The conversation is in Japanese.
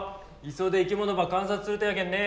磯で生き物ば観察するとやけんね。